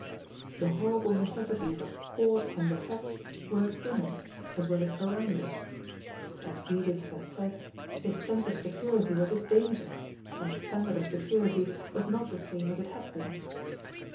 The horrible necessities of cause and effect work in us, as well as around us. As Edith had said, his sense of security was his danger, for his standard of security was not the same as it had been.